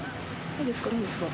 何ですか？